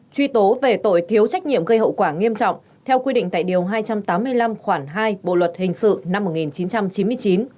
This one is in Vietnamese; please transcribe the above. truy tố về tội thiếu trách nhiệm gây hậu quả nghiêm trọng theo quy định tại điều hai trăm tám mươi năm khoảng hai bộ luật hình sự năm một nghìn chín trăm chín mươi chín